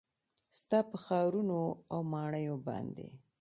ستا په ښارونو او ماڼیو باندې